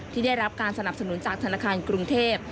ที่ได้รับการสนับสนุนจากธนาคารกรุงเทพ